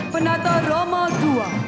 penata roma ii